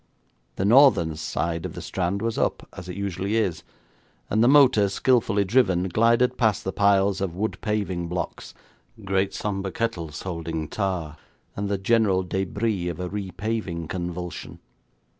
The northern side of the Strand was up, as it usually is, and the motor, skilfully driven, glided past the piles of wood paving blocks, great sombre kettles holding tar and the general débris of a re paving convulsion.